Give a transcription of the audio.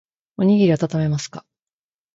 おにぎりあたためますか。